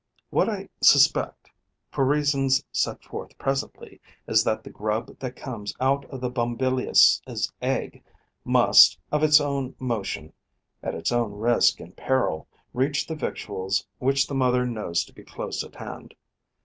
What I suspect, for reasons set forth presently, is that the grub that comes out of the Bombylius' egg must, of its own motion, at its own risk and peril, reach the victuals which the mother knows to be close at hand.